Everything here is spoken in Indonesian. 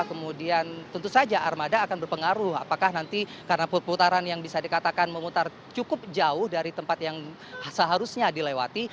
kemudian tentu saja armada akan berpengaruh apakah nanti karena putaran yang bisa dikatakan memutar cukup jauh dari tempat yang seharusnya dilewati